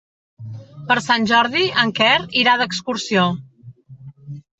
Per Sant Jordi en Quer irà d'excursió.